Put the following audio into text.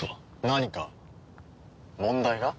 何か問題が？